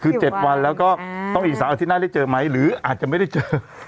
คือ๗วันแล้วก็ต้องอีก๓อาทิตย์หน้าได้เจอไหมหรืออาจจะไม่ได้เจอ